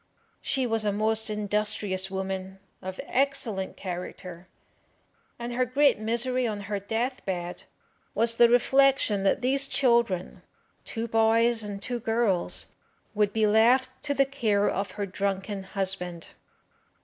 She was a most industrious woman, of excellent character, and her great misery on her death bed was the reflection that these children two boys and two girls would be left to the care of her drunken husband.